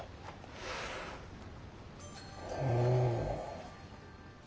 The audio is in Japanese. ほう。